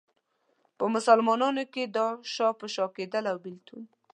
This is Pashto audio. په مسلمانانو کې دا شا په شا کېدل او بېلتون.